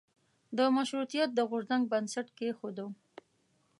د مشروطیت د غورځنګ بنسټ کېښودیو.